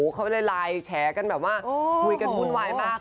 ได้ไลน์แฉกันแบบว่ามันมีขึ้นหุ้นวายมาก